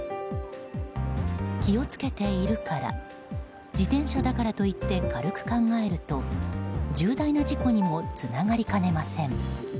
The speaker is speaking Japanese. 気を付けているから自転車だからといって軽く考えると重大な事故にもつながりかねません。